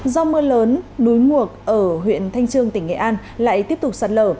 do mưa lớn núi nguộc ở huyện thanh trương tỉnh nghệ an lại tiếp tục sạt lở